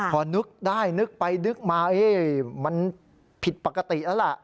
พอนึกได้นึกไปนึกมามันผิดปกติแล้วล่ะ